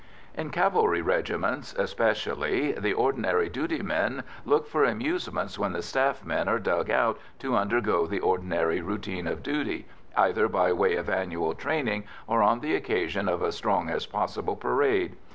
In cavalry regiments especially, the ordinary duty men look for amusement when the staff men are "dug out" to undergo the ordinary routine of duty, either by way of annual training or on the occasion of a "strong as possible" parade.